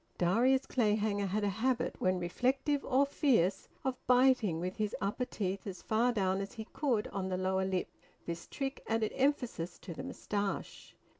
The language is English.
Darius Clayhanger had a habit, when reflective or fierce, of biting with his upper teeth as far down as he could on the lower lip; this trick added emphasis to the moustache.